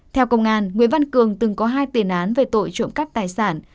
theo công an nguyễn văn cường từng có hai tiền án về tội trộm cắp tài sản